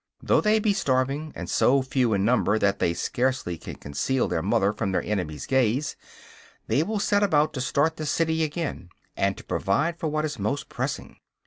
Though they be starving, and so few in number that they scarcely can conceal their mother from the enemy's gaze, they will set about to start the city again and to provide for what is most pressing.